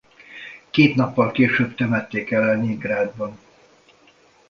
Két nappal később temették el Leningrádban.